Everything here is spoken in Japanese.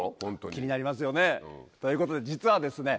気になりますよねということで実はですね